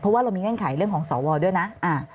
เพราะว่าเรามีเงื่อนไขเรื่องของสวด้วยนะ